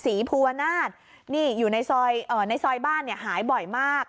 ศรีภูวนาฏนี่อยู่ในซอยบ้านหายบ่อยมาก